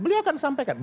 beliau akan sampaikan